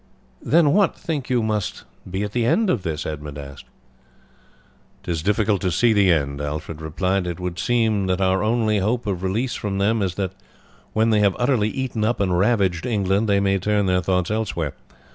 "Then what, think you, must be the end of this?" Edmund asked. "'Tis difficult to see the end," Alfred replied. "It would seem that our only hope of release from them is that when they have utterly eaten up and ravaged England they may turn their thoughts elsewhere.